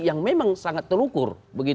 yang memang sangat terukur